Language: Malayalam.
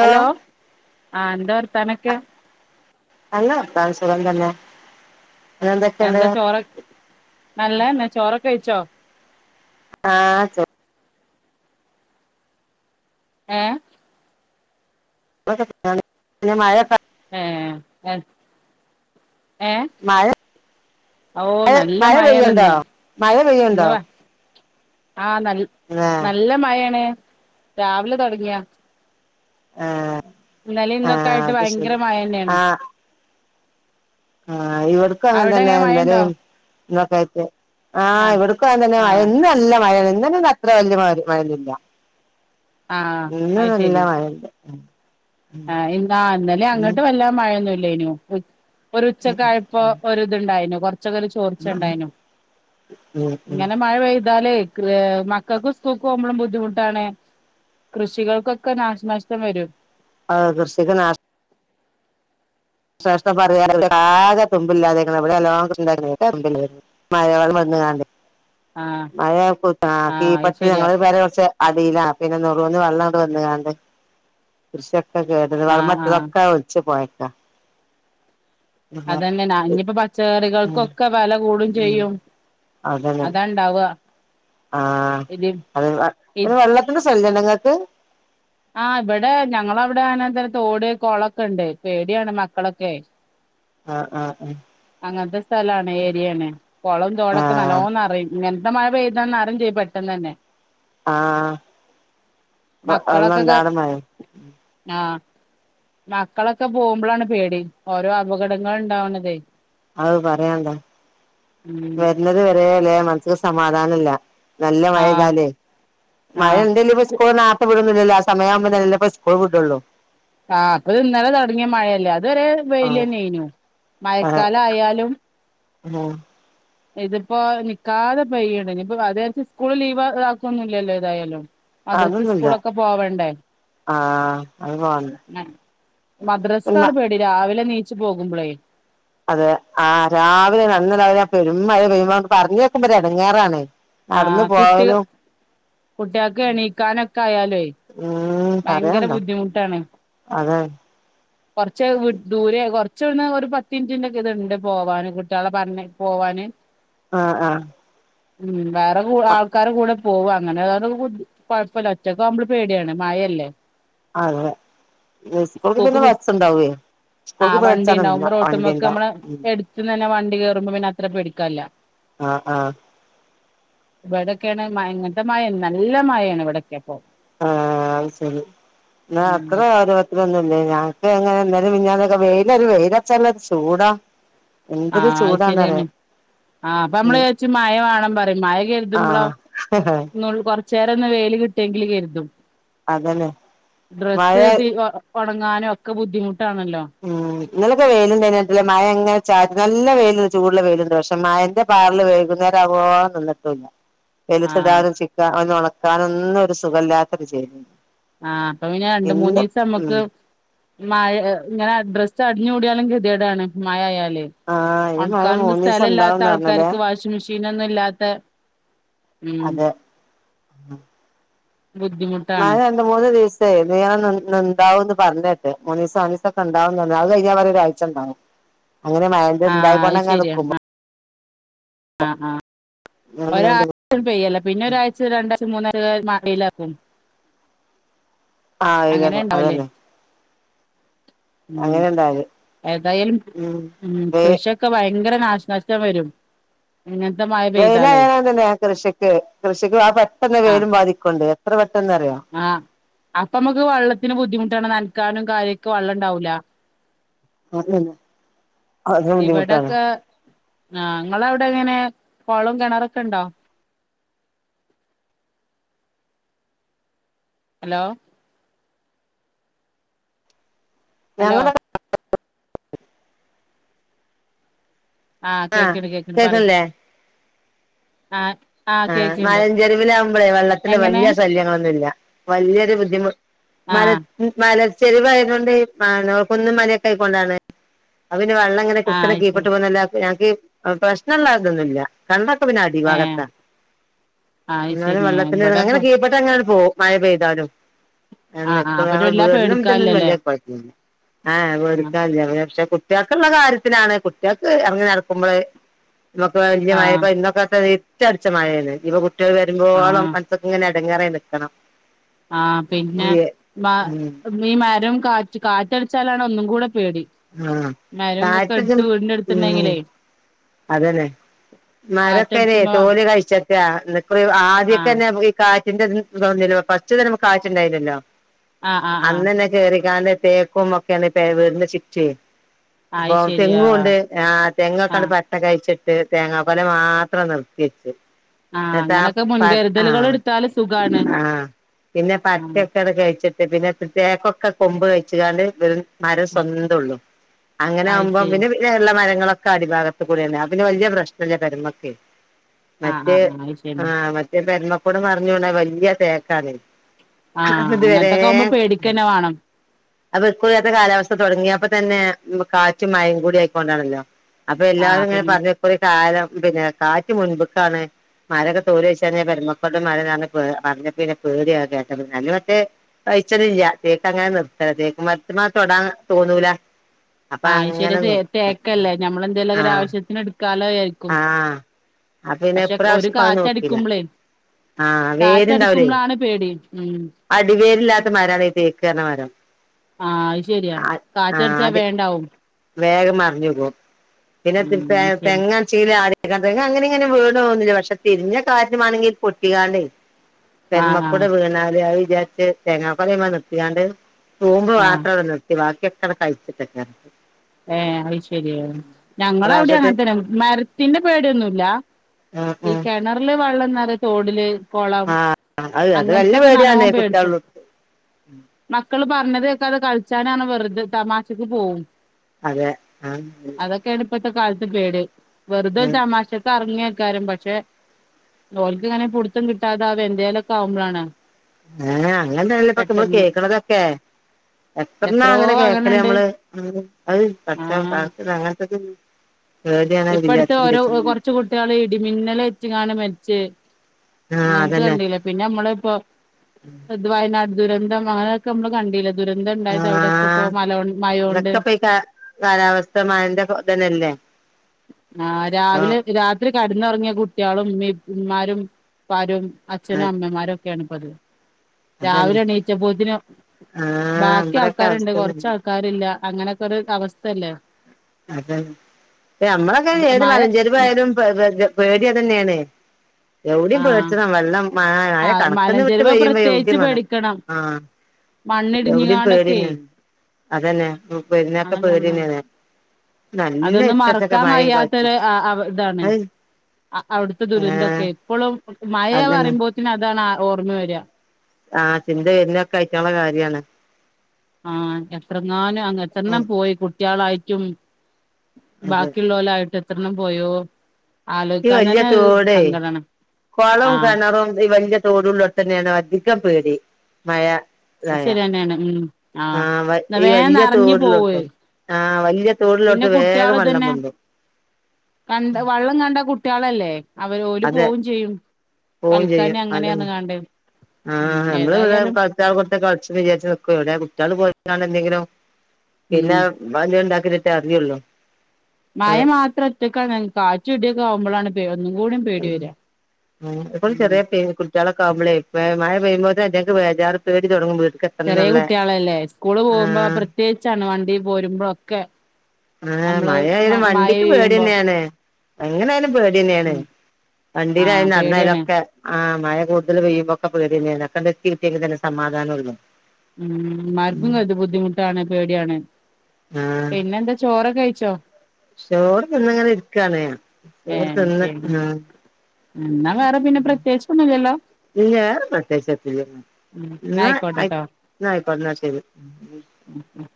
ഹലോ ആഹ് എന്താ വർത്താനൊക്കെ നല്ല വർത്താനം സുഖം തന്നെ പിന്നെന്തൊക്കെയുണ്ട് എന്താ ചോറ് നല്ലന്നെ ചോറൊക്കെ കഴിച്ചോ ആഹ് ഏ മഴണ്ട ഏ ഏ മഴ ഓ നല്ല മഴ പെയ്യുണ്ടോ മഴാണ്ന്ന് മഴ പെയ്യുണ്ടോ ഇന്ന് വ ആഹ് ന ആഹ് നല്ല മഴയാണ് രാവിലെ തുടങ്ങിയാ ആഹ് ഇന്നലിം ഇന്നൊക്കെ ആഹ് ആയിട്ട് അത് ഭയങ്കര ശരി മഴ തന്നെയാണ് ആ ഇവഡ്ക്കും അവിടെ അംഗൻതന്നെ എങ്ങനെ മഴയുണ്ടോ ഇന്നലിം ഇന്നൊക്കായിട്ട് ആഹ് ഇവടക്കും അംഗൻതന്നെ മയ ആഹ് ഇന്ന് നല്ല മഴ ഇന്നലെ ഒന്നും അത്ര വല്യ മഴന്നും ഇല്ല്യ ആഹ് ഇന്നും അത് നല്ല ശരി മഴണ്ട് ആഹ് ഇാ അന്നലെ അങ്ങോട്ട് വല്ലാ മഴൊന്നുംല്ല ഇല്ല്യേനു ഒരു ഉച്ചക്കായ്പ്പൊ ഒര് ഇതുണ്ടായിനു കൊർച്ചെ ക്കൊരു ചോർച്ചുണ്ടായിനും ഉം ഉം ഇങ്ങനെ മഴ പെയ താലെ മക്കൾക്ക് സ്കൂൾക്കോവുമ്പോ ബുദ്ധിമുട്ടാണ് കൃഷികൾക്കൊക്കെ നാശനാശ്ടം വരും കൃഷിക്ക് നാ വിശേഷം പറയാ ആകെ തുമ്പില്ലാതെെയ്ക്ക്ണ് അവിടെ നല്ലോം കൃഷിണ്ടാക്കിനി പറമ്പില് മഴ പെയ്തിട്ട് ആഹ് മഴാക്ക ആഹ് അത് പത്ത് ശരിയാ ഞങ്ങള് പെര കുറച്ച് അതല്ല പിന്നെ നെറൂന്ന് വെള്ളണ്ട് വന്ന്ങ്ങാണ്ട് ക്കെ കേടന്ന് ആഹ് ആഹ് വളമറ്റതൊക്കാ ഒലിച്ച് പോയക്ക അതന്നെ ന ഇനിയിപ്പോ പച്ച കറികൾക്കൊക്കെ മെല കൂടും ഉം ചെയ്യും അതന്നെ അതാണ്ടാവുക ആഹ് ഇത് അത് ഇ പി വെള്ളത്തിന്റെ ശല്യണ്ടങ്ങൾക്ക് ആഹ് ഇവിടെ ഞങ്ങളവിടെ തോട് കൊളൊക്കെ ക്കെ ഉണ്ട് പേടിയാണ് മക്കളൊക്കെ ആഹ് ആ അങ്ങൻ ത്തെ സ്ഥലാണ് ഏരിയാണ് കുളം തോടൊക്കെ ആഹ് നല്ലോം നെറയും മഴപെയ്താൽ നർയ്‌ചെയ്യും പെട്ടെന്നെന്നെ ആഹ് മക്കളൊക്കെ എല്ലാംണ്ടാട മഴ ആഹ് മക്കളൊക്കെ പോകുമ്പോളാണ് പേടി ഓരോ അപകടങ്ങളുണ്ടാവണതേ അത് പറയാണ്ടാ ഉം വരണത് വരല്ലേ മനസ്സിക്ക് സമാധാന ഇല്ല നല്ല മഴ ആഹ് ഇതാലേ മഴ ആഹ് ഉണ്ട്ല്ലി ഇ സ്കൂള് നാർത്തെ ബ്ടു സമയ ആവുമ്പ തന്നല്ലപ്പ സ്കൂൾ വിടുള്ളു ആഹ് അപ്പത് ഇന്നലെ തുടങ്ങിയ മഴയല്ലേ അ ഇതൊരെ വെയില ആഹ് നെയനു ആഹ് മഴക്കാലം ആയാലും ആഹ് ഇതിപ്പോ നിക്കാതെ പയ്യുണ്ട് ഇനി ഇപ്പ അത സ്കൂള് ലീവ് ഇതാക്കൊന്നും ഇല്ലല്ലോ ഏതായാലും. മധരത്തി അതൊന്നുമില്ല സ്കൂളൊക്കെ പോവണ്ടേ? ആഹ് അത് പോകണ്ട പിന്നെ മദ്രസക്കാണ് പേടി രാവിലെ നീച്ചു പോകുമ്പളേ. അതെ ആ രാവിലെ നന്നല്ല അവ പെരുമ്പ പെരു പറഞ്ഞ തക്കുമ്പോ അടങ്ങേറണേ. ആഹ് കുട്ടി കുട്ടികക്ക് എണീക്കാനൊക്കെ ആയാലെ. ഉം ഭയങ്കര പറയാണ്ടോ ബുദ്ധിമുട്ടാണ്. അതെ കുറച്ച് ദൂരെ കുറ കൊച്ച ഒരു പത്തിഞ്ചിന്റെ ഒക്കെ ഇത്ണ്ട് പോവാന് കുട്ടികളെ പറ പോവാന്. ആഹ് ആഹ് ഉം വേറെ ക ആൾക്കാർ കൂടെ പോവും അങ്ങനെ കുഴപ്പല്ല ഒറ്റക്കാവുമ്പൾ പേടിയാണ്. മയയല്ലേ. അതെ സ്കൂൾക്ക് പിന്നെ പി ബസ്സ ഉണ്ടാവെ. ആഹ് വണ്ടിണ്ടാവുമ്പോ റോട്ടുമൊക്കെ നമ്മള് ഉം എടുത്ത് തന്നെ വണ്ടി കേയറുമ്പോ പിന്നെ അത്ര പേടിക്കല്ല. ആഹ് ആഹ് ഇവിടൊക്കെയാണ് മഴ ഇങ്ങനത്തെ മഴ നല്ല മഴാണ് ഇവിടൊക്കെ. ഇപ്പൊ ആഹ് അത് ശരി ന്നാ ഉം അത്ര അ തൊന്നുംല്ലേ ഞങ്ങക്ക് എങ്ങനെ ഇന്നലേം മിനിഞ്ഞാക്കെ വെയിലഒരു വെയിലൽച്ചല്ല ചൂടാ എന്തൊരു ആഹ് അത് ചൂടാണറിയ. ശരിയാണ് ആഹ് അപ്പൊ നമ്മള് ചോച്ച് മഴ വേണം പറയും മഴ കരുതുമ്പോളോ ആഹ് കൊറച്ചേര ഒന്ന് വെല് കിട്ടിയെങ്കിൽ കരു അതന്നെ മഴ ഡ്രസ്സ് ഉണങ്ങാനും ഒക്കെ ബുദ്ധിമുട്ടാണല്ലോ. നിങ്ങളൊക്കെ വെയിലുണ്ടട്ട മഴ അങ്ങനെ ച നല്ല വെയിലുണ്ട് ചൂടുള്ള വെയിലുണ്ട് പക്ഷെ മഴന്റെ പാറൽ വൈകു ാവ [unintelligible] ന്നിട്ടൂല്ല ആഹ് വലുത്തിടാനും ചിക്ക അവന ഉണക്കാനുംഒന്നും ഒരു സുഖമല്ലാത്തൊരു ചെയ്ല. ആഹ് അപ്പൊ പിന്ന രണ്ട മൂന്ന് ദിവസം ഉം നമ്മുക്ക് മയ ഇങ്ങനെ ഡ്രസ്സ് അടിഞ്ഞ കൂടിയാലെങ്ക ഗതേടാണ് മായാലും. ആഹ് ഈ മഴ ഓണക്കാനും മൂന്നീസം സ്ഥലം ഇല്ലാത്ത ഉണ്ടാവുംന്ന് പറഞ്ഞല്ലേ ആൾക്കാർക്ക് വാഷിംഗ മെഷീനൊന്നും ഇല്ലാത്ത ഉം ആഹ് ബുദ്ധിമുട്ടാണ് മയ രണ്ട് മൂന്ന്സം നീണ്ടാവന്ന് പറഞ്ഞട്ട് മനീസ മനീസൊ ഒക്കെണ്ടാവ അ കഴിഞ്ഞാൽ വേ ഒരാഴ്ച ഉണ്ടാവും. ഉ [unintelligible] അങ്ങനെ മഴന്റെ ആഹ് അത് ഇണ്ടായിക്കൊണ്ടങ്ങനെ ശരിയാ നിക്കുമ്പോ ആ. ആഹ് ആ ഒരാഴ്ച പെയ്യല്ല പിന്നെ ഒരാഴ്ച രണ്ടാഴ്ച മൂന്നായി വയിലകും. ആഹ് ഇതല്ല ഇണ്ടാവല്ലേ അതല്ലെ. ഉം ഏതായാലും ഉം വെ കൃഷിയൊക്കെ വ ഭയങ്കര നാശനഷ്ടം വരും. ഇങ്ങനത്തെ മഴ പെയ്താലേ വെലായന തന്നെ കൃഷിക്ക് കൃഷിക്ക് ആ പെട്ടെന്ന് ആഹ് വെയിലും ബാധിക്കണ്ട് എത്ര പെ ആഹ് അപ്പൊ നമ്മുക്ക് വെള്ളത്തിന് ബുദ്ധിമുട്ടാണ് നനക്കാനും കാര്യൊക്കെ വെള്ളം ഇണ്ടാവൂല. അതന്നെ വലിയ മുട്ടാണ്. ആ നിങ്ങള അവിടെ എങ്ങനെ കുളവും കിണറൊക്കെ ഇണ്ടോ? [inaudible] ഹലോ? ഹലോ ഞങ്ങള ആഹ് ക്കെക്ക്ണ്ട് ക്കെക്ക്ണ്ട് പറയ്. ആഹ് ആഹ് മാലഞ്ചെരിവിലാവകുമ്പോളേ വെള്ളത്തിന്റെ എങ്ങനെ വലിയ ശല്യങ്ങളൊന്നും ഇല്ല വല്യൊരു ബുദ്ധിമു മല ആഹ് മല ചെരിവായത കൊണ്ട് കുന്നും മലയൊക്കെ ആയിക്കൊണ്ടാണ് വള്ളങ്ങനെ ആഹ് കുത്തനെ അത് ശരി കീപ്പട്ട് പോക്ന്നല്ലാതെ ഞങ്ങൾക്ക് പ്രശ്നള്ളാതൊന്നും ഇല്ല കണ്ട ക്കെ പിന്നെ ഏഹ് അടിഭാഗത്താ ആഹ് അത് എന്നാലും ശരി വള്ളത്തിന്റെ അങ്ങനെ ഇബടെപ്പൊ കീപ്പെട്ട് അങ്ങനാണ്ട് പോകും മഴ പെയ്താലും ആഹ് ആഹ് അപ്പൊ [unintelligible] വല്ലാ വീട്നും ത് നൊന്നും പേടിക്കാല്ലല്ലേ വല്യ കാെയ്പ്പം ല്ല ആ ഏ ആഹ് പേടിക്കാൻ ല്ല പക്ഷെ കു ട്ട്യാക്ക്ള്ള കാര്യത്തിലാണ് കുട്ട്യാക്ക് എർങ്ങി നട്ക്കുമ്പള് നമുക്ക് വലിയ മഴ ആഹ് ഇപ്പ ഇന്നൊക്കെ [unintelligible] ക്കെ ല്യ മയ പ്പ ന്നൊക്കെപ്പ ഇര്ട്ടട്ച്ച മയല്ലേ ഇഞ്ഞ്പ്പ കുട്ട്യേള് വര്മ്പോളം ആഹ് മൻസ്സ്ക്ക്ങ്ങനെ എടങ്ങേറായ് നിക്കണം ആ ഉം പിന്നെ മ ഈ മരം കാറ്റ് കാറ്റടിച്ചാലാണ് ഒന്നും കൂടെ പേടി ആഹ് മരം തൊക്കെ കാറ്റൊക്കെ അടുത്ത് വീടിന്റെ ഉം അടുത്തുണ്ടെങ്കിലേ അതന്നെ മരക്കയ്നെ തോല് കഴിച്ചക്കാ ന്നക്കൊരു ആഹ് ആദിയക്കെന്നെ പൊയ്ക്കാ കാറ്റിന്റെ ഇത് തൊടങ്ങിയലോ ഫസ്റ്റ്ന്നെ നമ്മക്ക് കാറ്റ്ണ്ടായിനേല്ലോ. ആഹ് ആഹ് ആഹ് അന്നെന്നെ കേറീങ്ങാണ്ട് തേക്കും ഒക്കേണ് പെ വീട്ന്റെ ചുറ്റുയേ അപ്പൊ അത് ശരി ആഹ് തെങ്ങുണ്ട് ആഹ് ആഹ് തെങ്ങൊക്കങ്ങട്ട് പ ച്ചിട്ട് തേങ്ങാക്കൊല മാത്രം നിർത്തിയെച്ച്. ആഹ് ഇന്ന്ട്ട് ആ അങ്ങനൊക്കെ പ മുൻകരുതലുകൾ ആഹ് എടുത്താല് സുഖാണ് ആഹ് പിന്നെ ആഹ് പട്ടെക്കത് കഴിച്ചിട്ട്, പിന്നെ തേക്കൊക്കെ കൊമ്പ് കഴിച്ചാണ്ട് വെ മരം സ്വന്തം ഒള്ളു അങ്ങനെ അത് ആകുമ്പോ ശരി പിന്നെ പിന്നെല്ലെ മരങ്ങളൊക്കെ അടിഭാഗ [unintelligible] കൂട്യാണ് അത് പിന്നെ വല്ല്യേ പ്രശ്നല്ല പെരമ്മക്കെ ആഹ് മറ്റേ ആഹ് ആഹ് അത് ശരി ആഹ് മറ്റേ പെരമ്മ ഇബടെ മറിഞ്ഞുവീണത് വല്ല്യേ തേക്കാണേയ്. ആഹ് ഇതുവരേ അങ്ങനത്തൊക്കെ ആവുമ്പോ പേടിക്കന്നെ വേണം അപ്പൊ ഇക്കൊല്ലത്തെ കാലാവസ്ഥ തൊടങ്ങിയപ്പതന്നെ കാറ്റും മഴിം കൂടി ആയിക്കൊണ്ടാണല്ലോ അപ്പൊ എല്ലാരും ആഹ് ഇങ്ങനെ പിന്നെ പറഞ്ഞു ഇക്കുറി കാലം പിന്നെ കാറ്റ് മുൻപ്ക്കാണ് മരൊക്കെ തോലയ്ച്ചാഞ്ഞാ പെരമ്മക്കാണ്ട് മര [unintelligible] ഏ പറഞ്ഞപ്പൊ പിന്നെ പേടിയായി കേട്ടതും അല്ല മറ്റേ കയിച്ചലില്ല തേക്ക് അങ്ങനെ നിർത്തലാ തേക്ക് മരത്ത്മ്മെ തൊടാൻ തോന്നൂല അപ്പൊ ആഹ് ശരി അങ്ങനെ തേ നിർത്തും തേക്കല്ലേ ഞമ്മളെന്തെലും ഒക്കെ ഒര ആഹ് ആവശ്യത്തിന് ഇട്--, ആഹ് അത് പിന്നെ പക്ഷെ ഒരു ഇപ്രാവശ്യം ഇപ്പത് നോക്കീല കാറ്റടിക്കുമ്പളേ ആഹ് വേര്ണ്ടാവൂലേ കാറ്റടിക്കുമ്പളാണ് പേടി ഉം അടിവേരില്ലാത്തമരാവേ തേ ക്കാണ് മരം ആ അത് ശരിയാ ആഹ് കാറ്റടിച്ചാ അടി വേണ്ടാവും. വേഗം മറിഞ്ഞ്വ്കും പിന്നെ തെ ഉം അത് ശരി തെങ്ങാണ്ച്ചേല് റക് അങ്ങനിം ഇങ്ങനിം വീണ് പോവൊന്നുല്ല. പക്ഷെ തിരിഞ്ഞ കാറ്റ് മാണെങ്കി പൊട്ടികാണ്ടേയ് ആഹ് ആഹ് [unintelligible] തൂമ്പ് ആഹ് മാത്രം അവിടെ നിർത്തി ബാക്കിയൊക്കെ അത കഴിച്ചിട്ടക്ക ഏഹ് അഅ് ശരിയാ. ഞങ്ങളവിട്യ ഇപ്രാവശ്യത്തെ അങ്ങൻ ത്തന്നാ. മരത്തിന്ന് പേടിയൊന്നുല്ല. ഉം ഇ ഉം കെണർല് വള്ളന്നറ തോടില് കൊളം ആ അത് അത് നല്ല അങ്ങൻത്തൊക്കെ പേടിയാണ് ന്നല്ലാം പേടിച്ച കുട്ടികളുള്ളടുത്ത് മക്കള് പറഞ്ഞത്.. [unintelligible] കൾച്ചാനാന് വെറ്തെ തമാശക്ക് പോവും അതെ. ആം [unintelligible] അതൊക്കെയാണ് ഇപ്പത്തെ കാലത്ത് പേട് വെറു തൊരു തമാശക്ക് എറങ്ങ്യാൽ ക്കാരം പക്ഷെ ഓൽക്ക് ഇങ്ങനെ പുട്ത്തം കിട്ടാതാവേ എന്തേലൊക്കെ ആവുമ്പളാണ്. ഏഹ് അങ്ങൻതന്നല്ലെ പൊക്ക മ്മള് പെട്ടെന്ന് കേക്ക്ന്നതൊക്കെ. എത്തർണാ എത്രയോ അങ്ങന കേക്കല് അങ്ങനെണ്ട് അമ്മള്. [unintelligible] അഅ് പടചോൻ കാക്ക്ന്നങ്ങൻത്തത് ഇപ്പട്ത്ത് ഓരൊ ഒ കൊർച്ച് കുട്ട്യള് ഇടിമിന്നലേറ്റ് കാഞ്ഞ് മരിച്ച്. ആ അങ്ങൻത്ത അതന്നെ കണ്ടീലെ പിന്നെ നമ്മള് ഇപ്പ ഇത് വയനാട്. ദുരന്തമായൊക്ക മ്മള് കണ്ടീലെ ദുരന്തണ്ടായത് അവിടൊക്കെപ്പൊ ആ മലോ മയോണ്ട്. കാലാവസ്ഥമാരിന്റെ പ്പൊ ത്‌ന്നല്ലേ ആ രാവിലേ രാത്രി കട്ന്നൊറങ്ങ്യ കുട്ട്യോളും മ്മിം മ്മാരും പ്പാരും അച്ഛനും അമ്മമാരും ഒക്കേണ്പ്പത് അതന്നെ രാവിലെ എണീറ്റപ്പോത്തിനൊ ആഹ് ബാക്കി നമ്മടെക്കെ ആൾക്കാര്ണ്ട് അവസ്ഥ കൊർച്ച് ഇതന്നെ ആൾക്കാര്ല്ല അങ്ങനൊക്കൊര് ടവസ്ഥല്ലെ അതാണ് പിന്നെ നമ്മളൊക്കെ അത് ഏത് മഴ മലഞ്ചെരുവായാലും പ പ ക പേട്യതന്നേണെ യൊവ്ടിം ആഹ് പേട്ച്ചണം വെള്ളം മയ മയ ആഹ് കണക്ക്ന്ന് വിട്ട് മലഞ്ചെരുവ് പെയ്യുമ്പ യൊവ്ടിം പ്രത്യേകിച്ച് വേണം പേടിക്കണം ആ യൊവ്ടിം മണ്ണിടിഞ്ഞുകാണ്ടൊക്കെ പേട്യെന്നേണ് അതന്നെ [unintelligible] പേട്യെന്നേണ് അതൊന്നും മറക്കാൻ കാറ്റും കയ്യാത്തൊര് ആ ആ താണ് അഹ് ആ അവിട്ത്തെ ആഹ് ദുരന്തൊക്കെ പ്പളും മയെ അതന്നെ പറിമ്പോത്തിന് അതാണ് ആ ഓർമ്മ വര ആ ചിന്ത വര്ണൊക്കെ അയ്റ്റങ്ങളെ കാര്യാണ് ആ എത്രങ്ങാനും അന്ന് എത്രണ്ണം പോയി കുട്ട്യാളായ്ട്ടും അതെ ബാക്കിയുള്ളോലായിട്ട് എത്രെണ്ണം പോയോ ഈ ആലോചിക്കാൻ വല്ല്യ തന്നെ ഒരു തോടേ സങ്കടാണ് കൊളും ആഹ് കെണറും ഈ വല്ല്യ തോട്ള്ളോട്ത്തന്നേണ് വ ൻക്ക പേടി മയ അത് ശര്യെന്നാണ് ഉം ആ ആഹ് വ ന്ന ഈ വേം വല്യ നറഞ്ഞു പോവേ തോടിലോട്ത്തും ആ വല്യ പിന്നെ കുട്ട്യാള്ത്ന്നെ കണ്ട വള്ളം കണ്ട കുട്ട്യാളല്ലേ അവര് ഓല് അതെ പോവും ചെയ്യും കളിക്കാന് അങ്ങനെർഞ്ഞ്ക്കാണ്ട് ആ നമ്മള് ഇവ്ടെ കളിച്ചാ ആ പൊർത്ത് കളിച്ച് വിചാച്ച് നിക്കും എവിടെ കുട്ടിള് പോയ് ക്കാണ്ടെന്തെങ്കിലും ഉം പിന്നെ [unintelligible] അറിയ്ള്ളു മയ മാത്രറ്റക്കാണ് കാറ്റും ഇട്യൊക്കാവുമ്പളാണ് ഉം ആ എപ്പോളും ഉം ചെറ്യേ പേ കുട്ട്യാളൊക്കെ ആവ്മ്പളേ വ് മയ പെയ്യുമ്പോത്ത് അറ്റേക്ക് ബേജാറ് പേടി തൊട്ങ്ങും വ് ചെറ്യേ കുട്ട്യാളല്ലേ സ്കൂള് പോവുമ്പോ ആഹ് പ്രത്യേകിച്ചാണ് വണ്ടി പോരുമ്പ ഒക്കെ ആ നമ്മള് മഴയയാലും മ മഴ വണ്ടിക്ക് പെയ്യുമ്പോ പേടിന്നേണ് എങ്ങനെയാലും പേടിന്നേണ് ഉം ആഹ് വണ്ടീലായലും പേടിയാണ് നടന്നായലൊക്കെ ആം മഴ കൂട്തല് പെയ്യുമ്പക്കെ പേട്യെന്നേണ് ഒക്കെണ്ട് എത്തിക്കിട്ട്യേകിൽ തന്നെ സമാധാനൊള്ളു ഉം അവർക്കും ക ത് ബുദ്ധിമുട്ടാണ് പേട്യാണ് ആ ചോറൊക്ക കഴിച്ചോ ചോറ് തിന്നങ്ങനെ ഇട്ക്കാണ് ചോറ് ഏഹ് തിന്ന് ശരി ആ എന്നാ വേറെ പിന്നെ പ്രത്യേകിച്ചൊന്നുല്ലല്ലോ ഇല്ല വേറെ പ്രത്യേച്ച് എത്തുല്ല ഉം ന്നാ ഇന്നാ അയ് ആയിക്കോട്ടെട്ടോ ഇന്നാ അയ്കോട്ടെ ന്നാ ശെരി ഉം ഉം